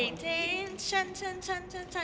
ก็จะเป็นท่อนโฮมค่ะ